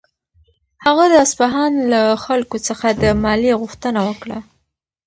هغه د اصفهان له خلکو څخه د مالیې غوښتنه وکړه.